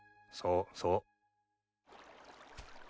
そうそう。